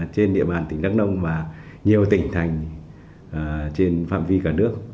trên địa bàn tỉnh đắk nông và nhiều tỉnh thành trên phạm vi cả nước